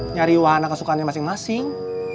nyari wahana kesukaannya masing masing